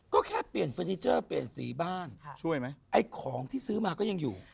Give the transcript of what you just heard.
ก็แค่เปลี่ยนเฟอร์นิเจอร์เปลี่ยนสีบ้านช่วยไหมไอ้ของที่ซื้อมาก็ยังอยู่